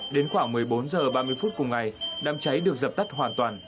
đến khoảng một mươi bốn h ba mươi phút cùng ngày đám cháy được dập tắt hoàn toàn